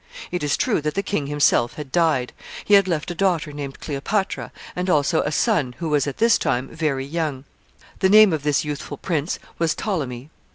It is true that the king himself had died. He had left a daughter named Cleopatra, and also a son, who was at this time very young. The name of this youthful prince was Ptolemy.